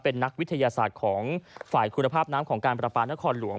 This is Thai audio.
เป็นนักวิทยาศาสตร์ของฝ่ายคุณภาพน้ำของการประปานครหลวง